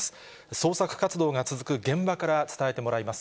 捜索活動が続く現場から伝えてもらいます。